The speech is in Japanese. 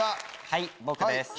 はい僕です。